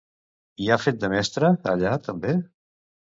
Hi ha fet de mestra, allà, també?